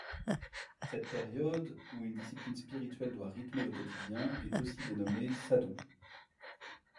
Cette période où une discipline spirituelle doit rythmer le quotidien est aussi dénommée sadhu.